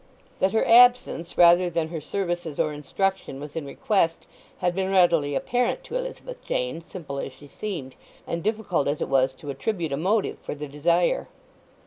That her absence, rather than her services or instruction, was in request, had been readily apparent to Elizabeth Jane, simple as she seemed, and difficult as it was to attribute a motive for the desire.